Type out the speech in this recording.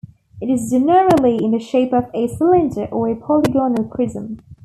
It is generally in the shape of a cylinder or a polygonal prism.